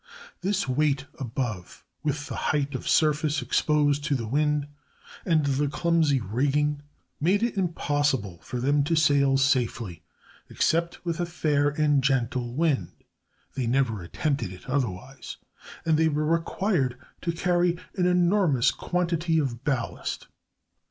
This weight above, with the height of surface exposed to the wind and the clumsy rigging, made it impossible for them to sail safely except with a fair and gentle wind (they never attempted it otherwise), and they were required to carry an enormous quantity of ballast.